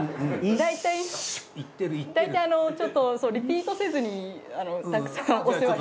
だいたいちょっとリピートせずにたくさんお世話に。